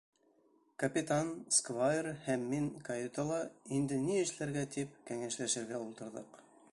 Капитан, сквайр һәм мин каютала, инде ни эшләргә тип, кәңәшләшергә ултырҙыҡ.